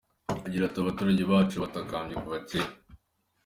Agira ati “Abaturage bacu batakambye kuva kera.